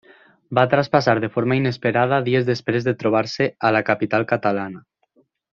Va traspassar de forma inesperada dies després de trobar-se a la capital catalana.